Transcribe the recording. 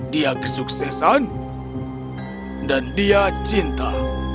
dia kesuksesan dan dia cinta